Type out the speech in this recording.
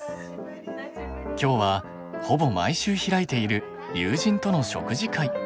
今日はほぼ毎週開いている友人との食事会。